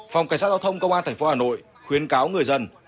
phòng cảnh sát đạo thông công an thành phố hà nội khuyên cáo người dân